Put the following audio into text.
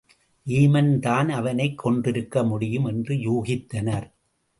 வீமன் தான் அவனைக் கொன்றிருக்க முடியும் என்று யூகித்தனர்.